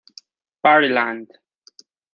Party Land